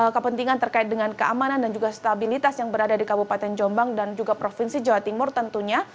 kepentingan terkait dengan keamanan dan juga stabilitas yang berada di kabupaten jombang dan juga provinsi jawa timur tentunya